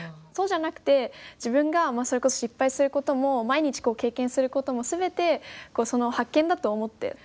そうじゃなくて自分がそれこそ失敗することも毎日経験することも全て発見だと思って。